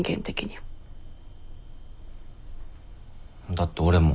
だって俺も。